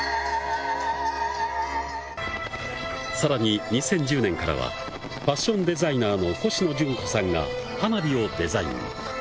さらに２０１０年からはファッションデザイナーのコシノジュンコさんが花火をデザイン。